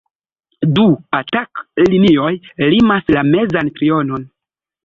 Du „atak-linioj“ limas la mezan trionon.